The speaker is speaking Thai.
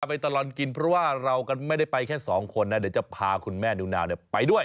ไปตลอดกินเพราะว่าเราก็ไม่ได้ไปแค่สองคนนะเดี๋ยวจะพาคุณแม่นิวนาวไปด้วย